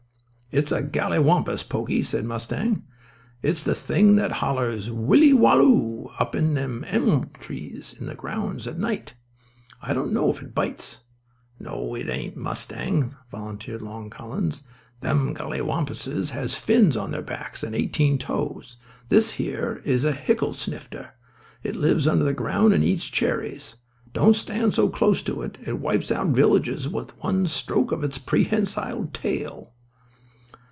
"It's a galliwampus, Poky," said Mustang. "It's the thing that hollers 'willi walloo' up in ellum trees in the low grounds of nights. I don't know if it bites." "No, it ain't, Mustang," volunteered Long Collins. "Them galliwampuses has fins on their backs, and eighteen toes. This here is a hicklesnifter. It lives under the ground and eats cherries. Don't stand so close to it. It wipes out villages with one stroke of its prehensile tail."